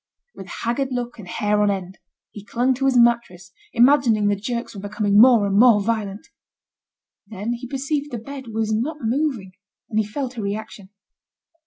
With haggard look and hair on end, he clung to his mattress, imagining the jerks were becoming more and more violent. Then, he perceived the bed was not moving, and he felt a reaction.